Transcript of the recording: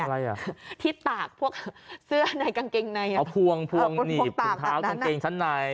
อะไรอ่ะที่ตากพวกเสื้อในกางเกงในอ่ะเอาพวงพวงหนีบถุงเท้ากางเกงชั้นใน